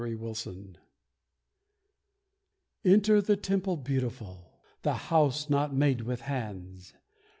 THE TEMPLE Enter the temple beautiful! The house not made with hands!